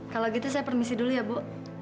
kalau gitu saya permisi dulu ya bu